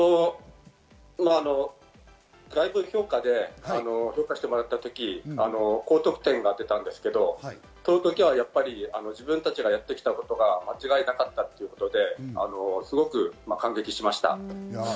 外部評価で評価してもらった時、高得点が出たんですけど、その時は自分たちがやってきたことが間違いなかったということですごく感激しました。